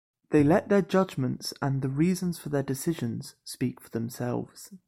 They let their judgments and the reasons for their decisions speak for themselves.